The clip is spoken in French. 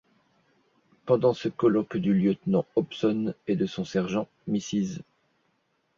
Pendant ce colloque du lieutenant Hobson et de son sergent, Mrs.